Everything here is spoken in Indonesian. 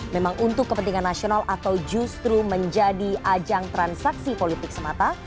memang untuk kepentingan nasional atau justru menjadi ajang transaksi politik semata